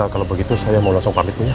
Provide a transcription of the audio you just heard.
kalo begitu saya mau langsung balik dulu ya